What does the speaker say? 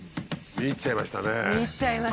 見入っちゃいましたね。